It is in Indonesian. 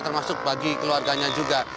termasuk bagi keluarganya